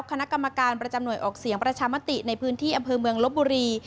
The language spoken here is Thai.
คณะกรรมการประจำหน่วยออกเสียงประชามติในพื้นที่อำเภอเมืองลบบุรี